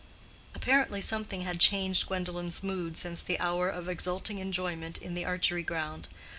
Apparently something had changed Gwendolen's mood since the hour of exulting enjoyment in the archery ground.